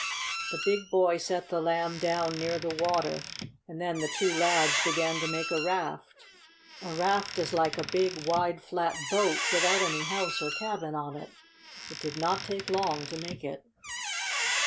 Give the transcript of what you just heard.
The big boy set the Lamb down near the water and then the two lads began to make a raft. A raft is like the big, wide, flat boat, without any house or cabin on it. It did not take long to make it.